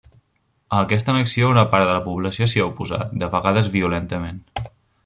A aquesta annexió una part de la població s'hi ha oposat, de vegades violentament.